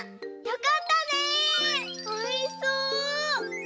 よかったねおいしそう。